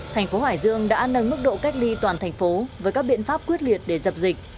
thành phố hải dương đã nâng mức độ cách ly toàn thành phố với các biện pháp quyết liệt để dập dịch